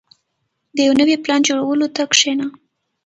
• د یو نوي پلان جوړولو ته کښېنه.